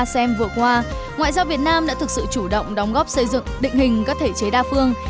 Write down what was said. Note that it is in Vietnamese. xem vừa qua ngoại giao việt nam đã thực sự chủ động đóng góp xây dựng định hình các thể chế đa phương